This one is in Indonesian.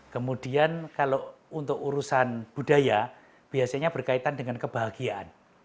kemudian kalau untuk urusan budaya biasanya berkaitan dengan kebahagiaan